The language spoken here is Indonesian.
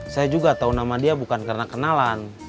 saya juga tahu nama dia bukan karena kenalan